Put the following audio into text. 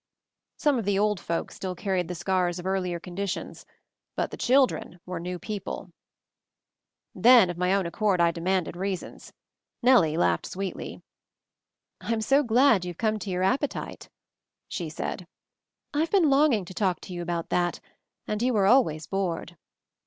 Some of the old folk still carried the scars of earlier conditions, but the children were new people. 194 MOVING THE MOUNTAIN Then of my own accord I demanded rea sons. Nellie laughed sweetly. "I'm so glad you've come to your ap petite," she said. "I've been longing to talk to you about that, and you were always bored."